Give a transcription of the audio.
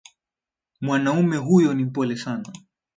Mwanaume huyo ni mpole sana